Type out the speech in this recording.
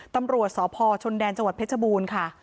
ตำรวจสพชนแดนจเพชรบูรณ์ค่ะ